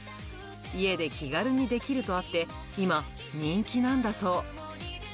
家で気軽にできるとあって、今、人気なんだそう。